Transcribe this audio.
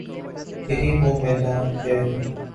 یہی وہ میدان ہے۔